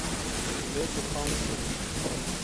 БЕКӀ АМЧӀУР